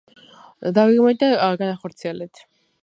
დაგეგმეთ და განახორცილეთ